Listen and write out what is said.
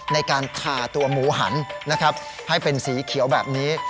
ในการทาตัวหมูหันนะครับให้เป็นสีเขียวแบบนี้